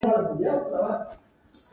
د دې حقوقو په سر کې کرامت دی.